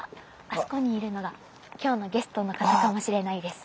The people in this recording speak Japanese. あそこにいるのが今日のゲストの方かもしれないです！